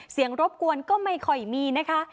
รบกวนก็ไม่ค่อยมีนะคะ